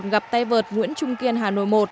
gặp tay vợt nguyễn trung kiên hà nội một